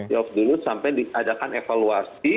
ya off dulu sampai diadakan evaluasi